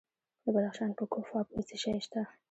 د بدخشان په کوف اب کې څه شی شته؟